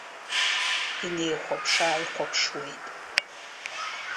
Инеихәаԥшыааихәаԥшуеит.